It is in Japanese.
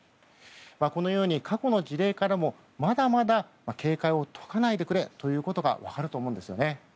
このように過去の事例からもまだまだ警戒を解かないでくれということが分かると思うんですよね。